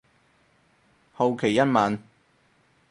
好奇一問